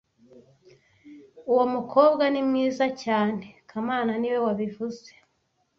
Uwo mukobwa ni mwiza cyane kamana niwe wabivuze